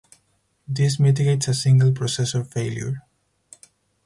This mitigates a single processor failure.